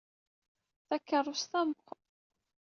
Takeṛṛust-a meqqret ma tihin.